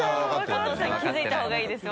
お父さん気づいた方がいいです。